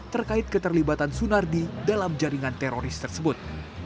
terkait keterlibatan sunardi dalam jaringan teroris tersebut